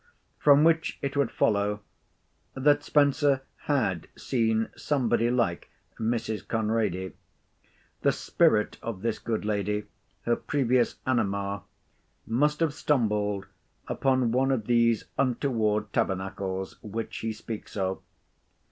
From which it would follow, that Spenser had seen somebody like Mrs. Conrady. The spirit of this good lady—her previous anima—must have stumbled upon one of these untoward tabernacles which he speaks of.